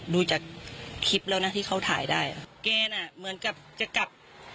ดูจากคลิปแล้วนะที่เขาถ่ายได้ค่ะแกน่ะเหมือนกับจะกลับ